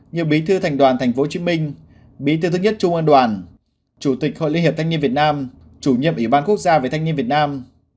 nhiệm bí thư thành đoàn tp hcm bí thư thứ nhất trung an đoàn chủ tịch hội liên hiệp thanh niên việt nam chủ nhiệm ủy ban quốc gia về thanh niên việt nam